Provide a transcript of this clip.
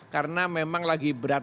karena memang lagi berhenti